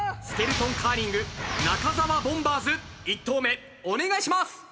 スケルトンカーリング中澤ボンバーズ１投目お願いします。